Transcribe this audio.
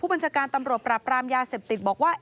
บัญชาการตำรวจปราบรามยาเสพติดบอกว่า